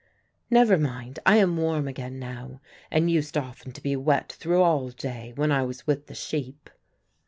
"Never mind, I am warm again now, and used often to be wet through all day, when I was with the sheep."